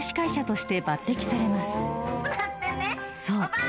［そう。